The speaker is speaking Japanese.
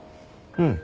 うん。